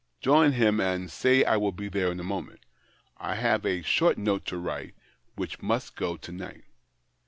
Join him, and say I will be there in a moment. I have a short note to write, which must go to night."